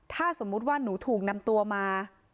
ถ้าสมมุติว่าหนูถูกนำตัวมา